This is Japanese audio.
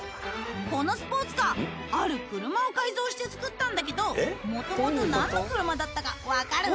このスポーツカーある車を改造してつくったんだけどもともと何の車だったか分かる？